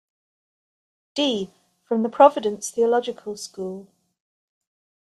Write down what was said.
D. from The Providence Theological School.